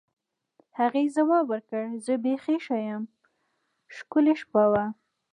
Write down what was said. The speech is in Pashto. هغې ځواب ورکړ: زه بیخي ښه یم، ښکلې شپه وه.